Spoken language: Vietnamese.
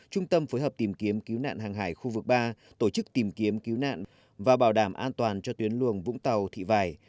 trung tâm phối hợp tìm kiếm cứu nạn hàng hải khu vực ba tổ chức tìm kiếm cứu nạn và bảo đảm an toàn cho tuyến luồng vũng tàu thị vài